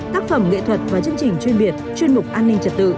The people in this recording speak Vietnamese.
tác phẩm nghệ thuật và chương trình chuyên biệt chuyên mục an ninh trật tự